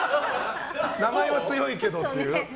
名前は強いけどっていう。